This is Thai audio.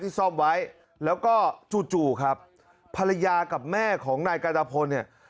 ซ่อมไว้แล้วก็จู่จู่ครับภรรยากับแม่ของนายกาญตะพลเนี่ย